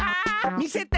みせて。